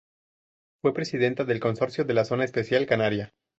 Fue presidenta del Consorcio de la Zona Especial Canaria.